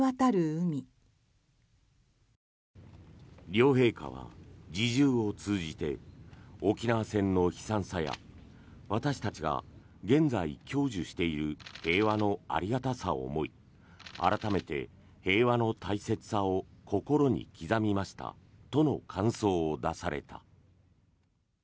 両陛下は侍従を通じて沖縄戦の悲惨さや私たちが現在享受している平和のありがたさを思い改めて平和の大切さを心に刻みましたとの感想を出された。